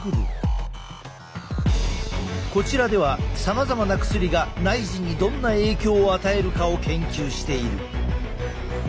こちらではさまざまな薬が内耳にどんな影響を与えるかを研究している。